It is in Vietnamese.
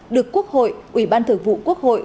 được quốc hội ủy ban thượng vụ quốc hội